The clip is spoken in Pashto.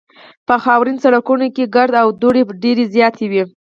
په خاورینو سړکونو کې ګرد او دوړې ډېرې زیاتې وې